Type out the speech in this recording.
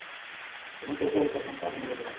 এবং কেউ কেউ উচ্চাকাঙ্ক্ষার জন্য বেঁচে থাকে।